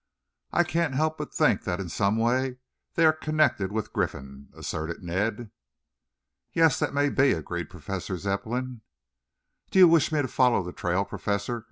"I can't help but think that in some way they are connected with Griffin," asserted Ned. "Yes, that may be," agreed Professor Zepplin. "Do you wish me to follow the trail, Professor?"